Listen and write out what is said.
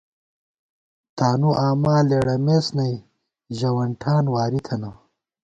تانُو آما لېڑَمېس نئ ، ݫُوَن ٹھان واری تھنہ